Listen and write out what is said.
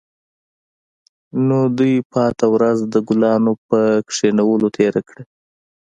نو دوی پاتې ورځ د ګلانو په کینولو تیره کړه